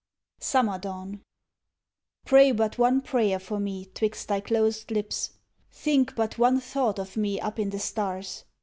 _ SUMMER DAWN Pray but one prayer for me 'twixt thy closed lips; Think but one thought of me up in the stars.